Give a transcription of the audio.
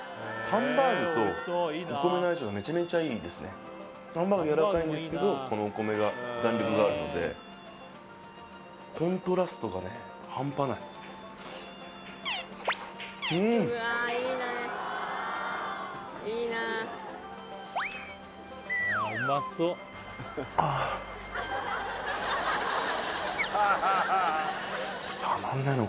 ハンバーグやわらかいんですけどこのお米が弾力があるのでコントラストがねハンパないうんたまんないな